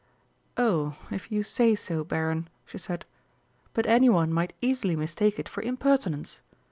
"Oh, if you say so, Baron," she said. "But anyone might easily mistake it for impertinence.